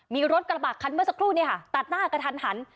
มีรถกระบะคันเมื่อสักครู่ตัดหน้ากระทันหัน